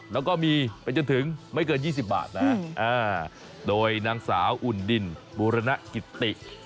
แล้วก็มีไปจนถึงไม่เกิน๒๐บาทนะโดยนางสาวอุ่นดินบูรณกิตติ